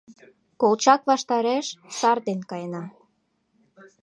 — Колчак ваштареш сар ден каена.